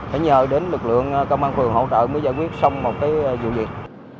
phải nhờ đến lực lượng công an phường hỗ trợ mới giải quyết xong một cái vụ việc